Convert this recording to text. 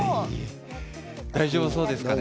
大丈夫そうですかね。